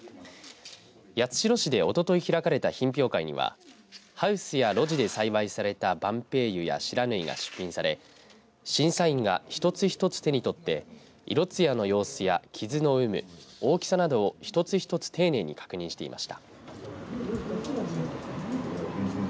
八代市でおととい開かれた品評会にはハウスや路地で栽培されたばんぺいゆや不知火が出品され審査員が一つ一つ手に取って色つやの様子や傷の有無大きさなどを一つ一つ丁寧に確認していました。